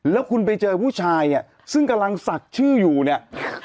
แล้วคุณไปเจอผู้ชายอ่ะซึ่งกำลังศักดิ์ชื่ออยู่เนี่ย